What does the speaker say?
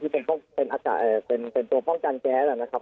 เป็นหน้ากากอารมณ์ที่เป็นตัวป้องกันแจ้นะครับ